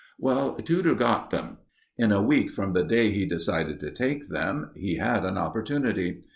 Well, Tudor got them. In a week from the day he decided to take them, he had an opportunity.